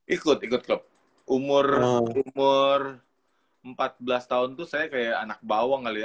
ikut ikut klub umur empat belas tahun tuh saya kayak anak bawang kali ya